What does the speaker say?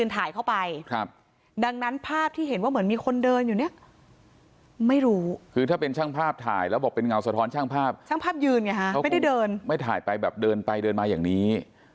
คือถ่ายภาพถ่ายแล้วบอกเป็นเงาสะท้อนช่างภาพช่างภาพยืนไงฮะเขาไม่ได้เดินไม่ถ่ายไปแบบเดินไปเดินมาอย่างนี้